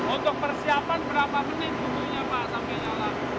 untuk persiapan berapa menit tunggu nya pak sampai nyala